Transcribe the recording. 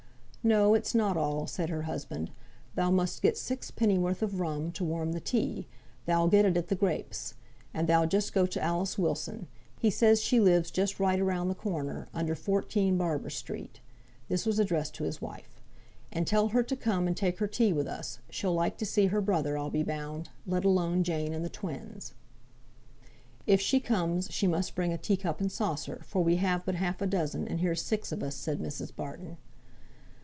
"No, it's not all," said her husband. "Thou must get sixpennyworth of rum, to warm the tea; thou'll get it at the 'Grapes.' And thou just go to Alice Wilson; he says she lives just right round the corner, under 14, Barber Street" (this was addressed to his wife), "and tell her to come and take her tea with us; she'll like to see her brother, I'll be bound, let alone Jane and the twins." "If she comes she must bring a tea cup and saucer, for we have but half a dozen, and here's six of us," said Mrs. Barton.